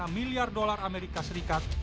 satu enam miliar dolar amerika serikat